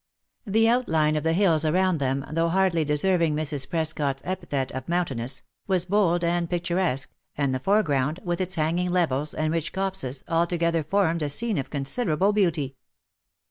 The outline of the hills around them, though hardly deserving Mrs. Prescot's epithet of mountainous, was bold and picturesque, and the foreground, with its hanging levels and rich copses, altogether formed a scene of consider able beauty.